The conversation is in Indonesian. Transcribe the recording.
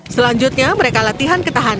selanjutnya mereka latihan ketahanan